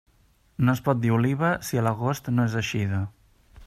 No es pot dir oliva si a l'agost no és eixida.